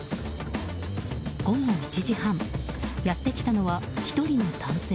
午後１時半やってきたのは１人の男性。